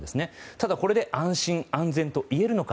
ただ、これで安心・安全といえるのか。